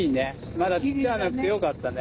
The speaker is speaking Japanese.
まだ散っちゃわなくてよかったね。